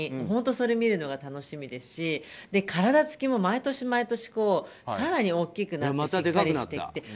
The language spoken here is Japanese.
本当それを見るのが楽しみですし体つきも毎年、毎年更に大きくなってしっかりしてて。